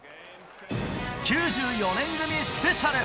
９４年組スペシャル。